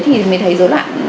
thì mới thấy rối loạn